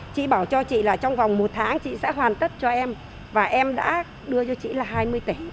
chị bảo cho chị là trong vòng một tháng chị sẽ hoàn tất cho em và em đã đưa cho chị là hai mươi tỷ